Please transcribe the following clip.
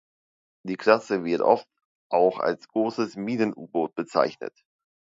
Die Klasse wird oft auch als Großes Minen-U-Boot bezeichnet.